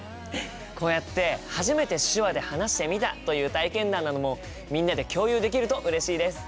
こうやって初めて手話で話してみたという体験談などもみんなで共有できるとうれしいです。